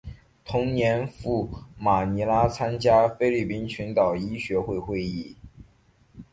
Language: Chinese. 同年赴马尼拉参加菲律宾群岛医学会会议。